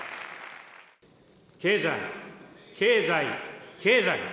経済、経済、経済。